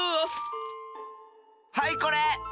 はいこれ！